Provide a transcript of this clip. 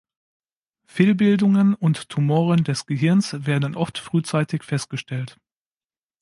Fehlbildungen und Tumoren des Gehirns werden oft frühzeitig festgestellt.